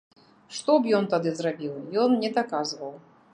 Што б ён тады зрабіў, ён не даказваў.